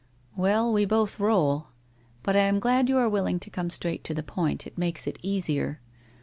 ' Well, we both roll. But I am glad you are willing to come straight to the point. It makes it easier.